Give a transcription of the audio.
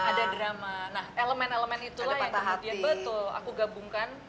ada yang dihubungkan